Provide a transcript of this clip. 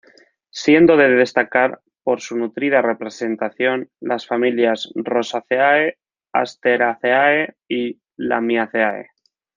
Siendo de destacar por su nutrida representación las familias Rosaceae, Asteraceae, y Lamiaceae.